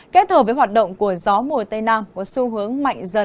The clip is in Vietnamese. kết hợp với hoạt động của gió mùa tây nam